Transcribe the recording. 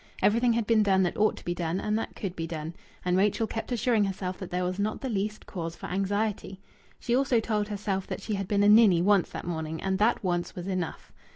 Everything had been done that ought to be done and that could be done. And Rachel kept assuring herself that there was not the least cause for anxiety. She also told herself that she had been a ninny once that morning, and that once was enough.